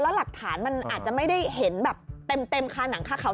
หลักฐานมันอาจจะไม่ได้เห็นแบบเต็มคาหนังคาเขา